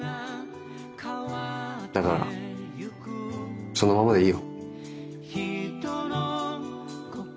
だからそのままでいいよ。